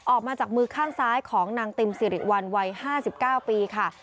ออกมาจากมือข้างซ้ายของนางติมสิริวัลวัย๕๙ปีค่ะ